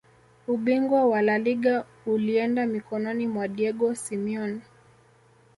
ubingwa wa laliga ulienda mikononi mwa diego simeone